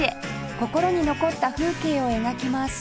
心に残った風景を描きます